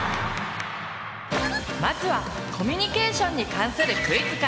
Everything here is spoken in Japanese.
まずはコミュニケーションに関するクイズから。